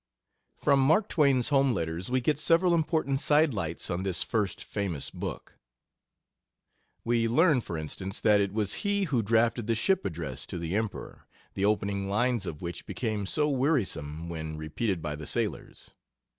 From Mark Twain's home letters we get several important side lights on this first famous book. We learn, for in stance, that it was he who drafted the ship address to the Emperor the opening lines of which became so wearisome when repeated by the sailors.